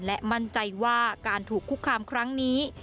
และมั่นใจว่าการถูกคุกคามครั้งนี้